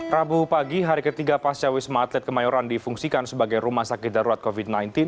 rabu pagi hari ketiga pasca wisma atlet kemayoran difungsikan sebagai rumah sakit darurat covid sembilan belas